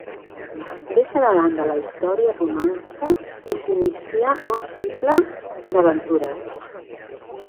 Deixa de banda la història romàntica i s'inicia un cicle d'aventures.